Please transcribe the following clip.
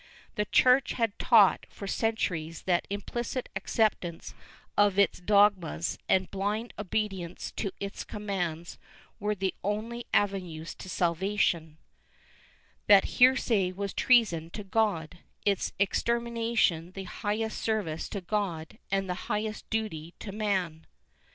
The Church had taught for centuries that implicit acceptance of its dogmas and blind obedience to its commands were the only avenues to salvation; that heresy was treason to God, its exter mination the highest service to God and the highest duty to man.